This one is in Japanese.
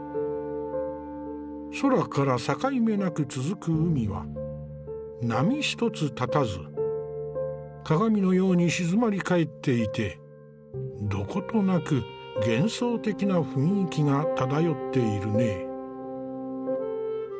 空から境目なく続く海は波一つ立たず鏡のように静まり返っていてどことなく幻想的な雰囲気が漂っているね。